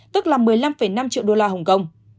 tức là một mươi năm năm triệu đô la hồng kông